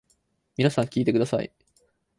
皆さん聞いてください。